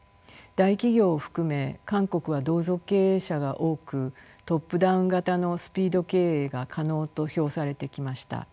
大企業を含め韓国は同族経営者が多くトップダウン型のスピード経営が可能と評されてきました。